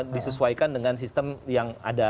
disesuaikan dengan sistem yang ada